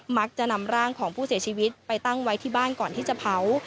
มักจะนำร่างของผู้เสียชีวิตไปตั้งไว้ที่บ้านก่อนที่จะเผา